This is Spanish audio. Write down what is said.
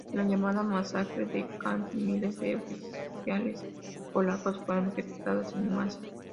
En la llamada masacre de Katyn, miles de oficiales polacos fueron ejecutados en masa.